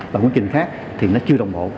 và quy trình khác thì nó chưa đồng bộ